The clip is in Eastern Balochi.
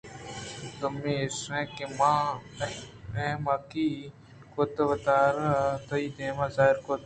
دومی ایش کہ من احمقّی کُت ءُ وتاراتئی دیما ظاہر کُت